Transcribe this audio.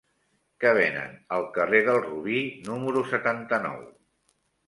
Què venen al carrer del Robí número setanta-nou?